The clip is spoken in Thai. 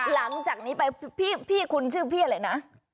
หลังจากนี้ไปพี่คุณชื่อพี่อะไรนะ